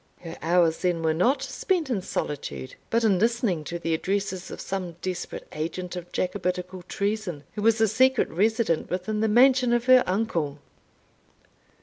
Her hours, then, were not spent in solitude, but in listening to the addresses of some desperate agent of Jacobitical treason, who was a secret resident within the mansion of her uncle!